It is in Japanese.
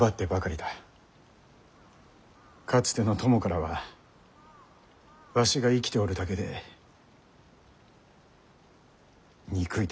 かつての友からは「わしが生きておるだけで憎い」と言われた。